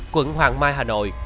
quận hoàng mai hà nội